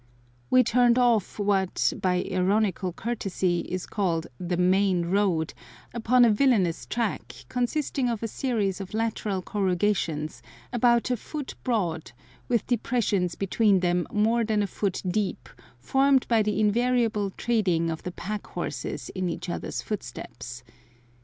We turned off what, by ironical courtesy, is called the main road, upon a villainous track, consisting of a series of lateral corrugations, about a foot broad, with depressions between them more than a foot deep, formed by the invariable treading of the pack horses in each other's footsteps.